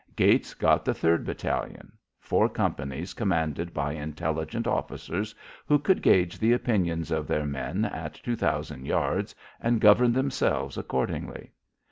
Gates got the third battalion four companies commanded by intelligent officers who could gauge the opinions of their men at two thousand yards and govern themselves accordingly.